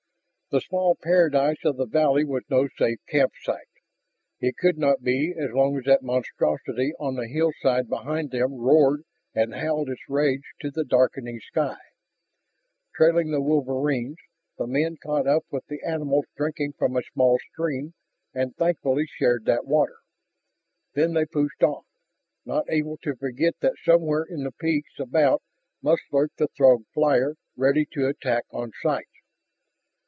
The small paradise of the valley was no safe campsite. It could not be so long as that monstrosity on the hillside behind them roared and howled its rage to the darkening sky. Trailing the wolverines, the men caught up with the animals drinking from a small spring and thankfully shared that water. Then they pushed on, not able to forget that somewhere in the peaks about must lurk the Throg flyer ready to attack on sight.